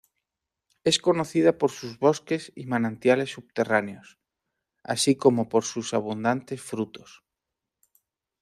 Es conocida por sus bosques y manantiales subterráneos, así como por sus abundantes frutos.